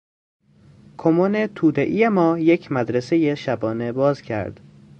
کمون تودهای ما یک مدرسهٔ شبانه باز کرد.